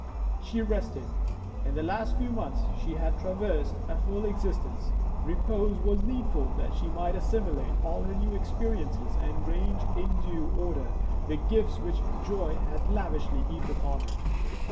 She rested. In the last few months she had traversed a whole existence; repose was needful that she might assimilate all her new experiences and range in due order the gifts which joy had lavishly heaped upon her.